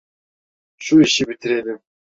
Şu işi bitirelim.